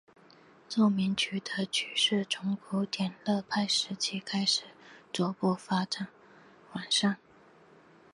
奏鸣曲的曲式从古典乐派时期开始逐步发展完善。